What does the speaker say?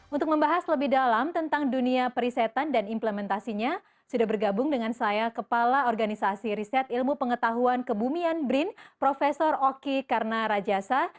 untuk membahas lebih dalam tentang dunia perisetan dan implementasinya sudah bergabung dengan saya kepala organisasi riset ilmu pengetahuan kebumian brin prof oki karnarajasa